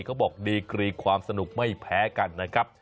เขาบอกดีกรีความสนุกไม่แพ้กันนะครับ